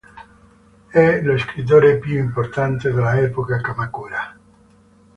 È lo scrittore più importante dell'epoca Kamakura.